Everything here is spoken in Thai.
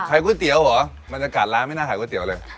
ก๋วยเตี๋ยวเหรอบรรยากาศร้านไม่น่าขายก๋วเตี๋ยเลย